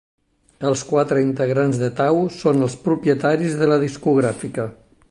Els quatres integrants de Thau són els propietaris de la discogràfica.